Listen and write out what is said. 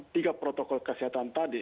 tiga protokol kesehatan tadi